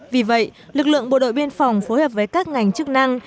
vì vậy lực lượng bộ đội biên phòng phối hợp với các ngành chức năng